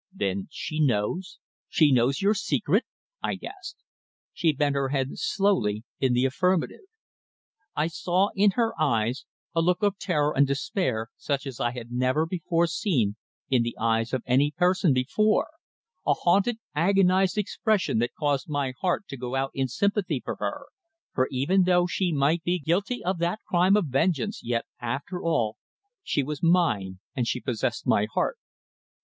"Then she knows she knows your secret?" I gasped. She bent her head slowly in the affirmative. I saw in her eyes a look of terror and despair, such as I had never before seen in the eyes of any person before a haunted, agonised expression that caused my heart to go out in sympathy for her for even though she might be guilty guilty of that crime of vengeance, yet, after all, she was mine and she possessed my heart.